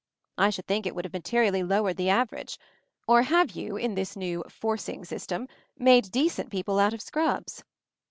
I should think it would have materially lowered the average. Or have you, in this new 'forcing system/ made de cent people out of scrubs?"